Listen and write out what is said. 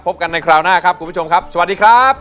พบกันในคราวหน้าครับคุณผู้ชมครับสวัสดีครับ